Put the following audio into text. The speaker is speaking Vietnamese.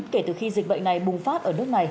kể từ khi dịch bệnh này bùng phát ở nước này